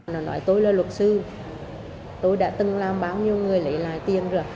nó nói tôi là luật sư tôi đã từng làm bao nhiêu người lấy lại tiền rồi